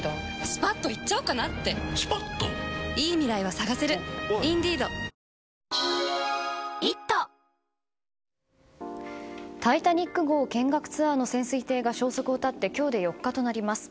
新「ＥＬＩＸＩＲ」「タイタニック号」見学ツアーの潜水艇が消息を絶って今日で４日となります。